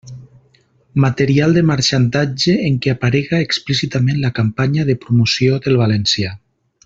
Material de marxandatge en què aparega explícitament la campanya de promoció del valencià.